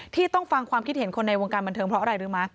ที่ต้องฟังความคิดเห็นคนในวงการบันเทิงเพราะอะไรรู้ไหม